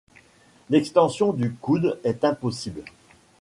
L'extension du coude est impossible.